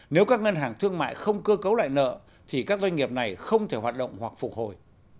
nếu các ngân hàng thương mại không cơ cấu lại nợ thì các doanh nghiệp này không thể hoạt động hoặc phục hồi